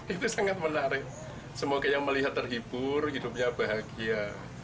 itu sangat menarik semoga yang melihat terhibur hidupnya bahagia